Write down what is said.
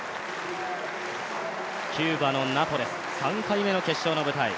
キューバのナポレス、３回目の決勝の舞台。